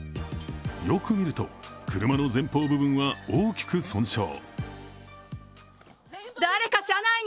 よく見ると、車の前方部分は大きく損傷。